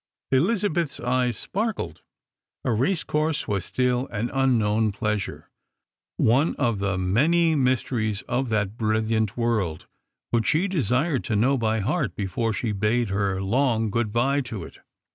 Elizabeth's eyes sparkled : a race course was still an unknown pleasure, one of the many mysteries of that brilliant world which she desired to know by heart before she bade her long good bye to it.